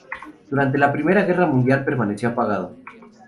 Durante la Primera Guerra Mundial permaneció apagado.